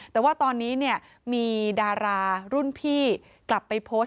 แต่ว่าตอนนี้เนี่ยมีดารารุ่นพี่กลับไปโพสต์